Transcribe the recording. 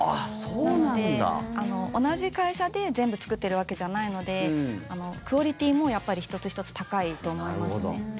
なので、同じ会社で全部作ってるわけじゃないのでクオリティーも１つ１つ高いと思いますね。